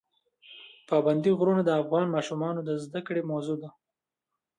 پابندی غرونه د افغان ماشومانو د زده کړې موضوع ده.